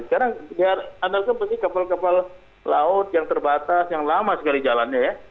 sekarang andalkan pasti kapal kapal laut yang terbatas yang lama sekali jalannya ya